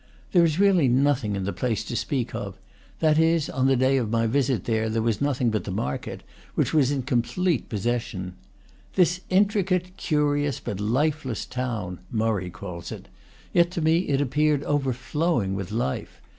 There is really nothing in the place to speak of; that is, on the day of my visit there was nothing but the market, which was in complete possession. "This intricate, curious, but lifeless town," Murray calls it; yet to me it appeared overflowing with life.